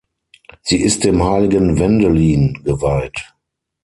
Sie ist dem Heiligen Wendelin geweiht.